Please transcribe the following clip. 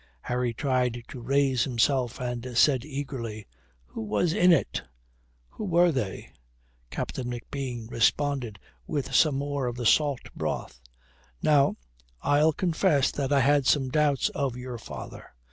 Harry tried to raise himself and said eagerly, "Who was in it? Who were they?" Captain McBean responded with some more of the salt broth. "Now I'll confess that I had some doubts of your father.